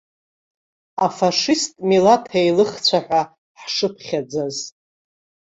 Афашист милаҭеилыхцәа ҳәа ҳшыԥхьаӡаз.